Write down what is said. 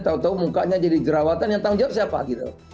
tahu tahu mukanya jadi jerawatan yang tanggung jawab siapa gitu